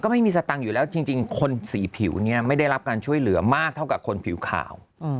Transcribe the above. ไม่มีสตังค์อยู่แล้วจริงคนสีผิวเนี่ยไม่ได้รับการช่วยเหลือมากเท่ากับคนผิวขาว